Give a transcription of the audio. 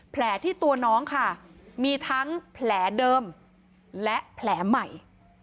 แผลที่ตัวน้องค่ะมีทั้งแผลเดิมและแผลใหม่